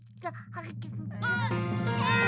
あ！